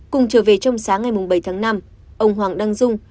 cùng trở về trong sáng ngày bảy tháng năm ông hoàng đăng dung